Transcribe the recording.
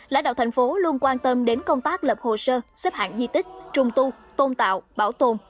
lãnh đạo thành phố luôn quan tâm đến công tác lập hồ sơ xếp hạng di tích trùng tu tôn tạo bảo tồn